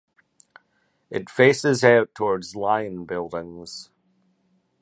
It faces out towards Lion Buildings.